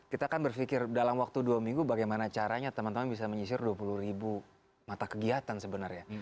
kita kan berpikir dalam waktu dua minggu bagaimana caranya teman teman bisa menyisir dua puluh ribu mata kegiatan sebenarnya